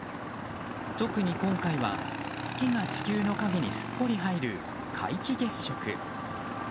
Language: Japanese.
特に今回は、月が地球の影にすっぽり入る皆既月食。